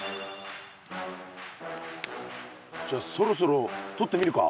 じゃそろそろとってみるか。